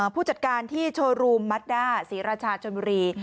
ผู้จัดการที่โชว์รูมมัดด้าศรีราชาชนบุรี